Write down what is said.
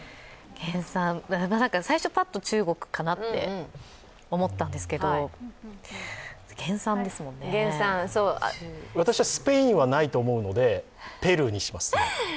原産最初パッと中国かなと思ったんですけど、私はスペインはないと思うのでペルーにします。